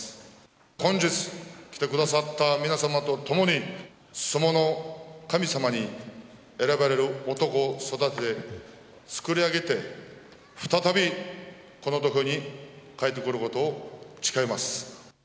本日来てくださった皆様とともに、相撲の神様に選ばれる男を育て、作り上げて、再びこの土俵に帰ってくることを誓います。